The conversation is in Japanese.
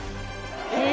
え！